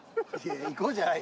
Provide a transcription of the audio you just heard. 「行こう」じゃない。